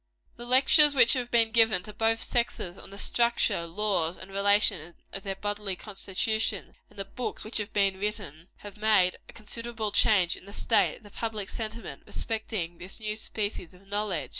The lectures which have been given to both sexes on the structure, laws and relations of their bodily constitution, and the books which have been written, have made a considerable change in the state of the public sentiment respecting this species of knowledge.